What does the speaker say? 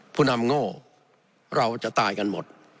ผู้นำโง่เราจะตายกันหมด